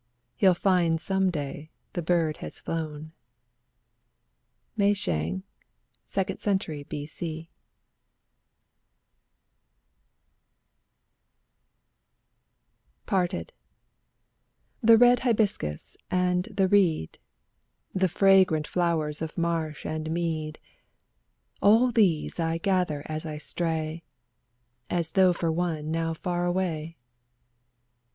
He'll find some day the bird has flown ! Mei Sheng, 2nd cent. B.C. 1 4 PARTED The red hibiscus and the reed, The fragrant flowers of marsh and mead, — All these I gather as I stray, As though for one now far away.